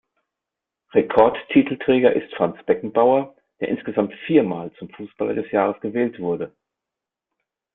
Rekord-Titelträger ist Franz Beckenbauer, der insgesamt viermal zum Fußballer des Jahres gewählt wurde.